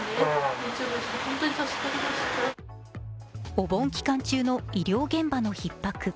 お盆期間中の医療現場のひっ迫。